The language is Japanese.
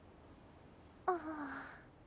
ああ。